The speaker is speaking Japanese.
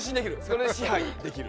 それで支配できる。